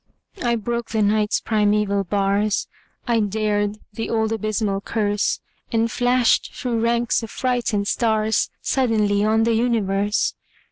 I broke the Night's primeval bars, I dared the old abysmal curse, And flashed through ranks of frightened stars Suddenly on the universe!